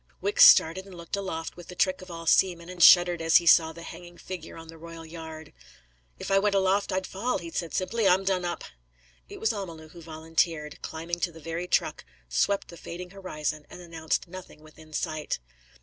Wicks started and looked aloft with the trick of all seamen, and shuddered as he saw the hanging figure on the royal yard. "If I went aloft, I'd fall," he said simply. "I'm done up." It was Amalu who volunteered, climbed to the very truck, swept the fading horizon, and announced nothing within sight.